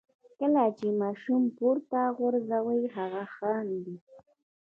کله چې ماشوم پورته غورځوئ هغه خاندي.